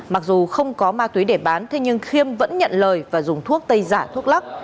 mặc dù không có ma túy để bán thế nhưng khiêm vẫn nhận lời và dùng thuốc tây giả thuốc lắc